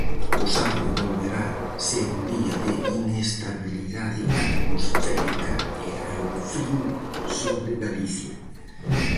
O sábado volverá ser un día de inestabilidade atmosférica e aire frío sobre Galicia.